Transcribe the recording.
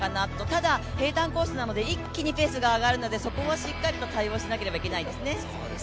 ただ平たんコースなので一気にペースが上がるのでそこをしっかり対応しなければいけないですね。